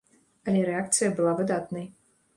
Але рэакцыя была выдатнай.